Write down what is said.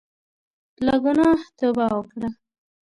له ګناه توبه وکړه.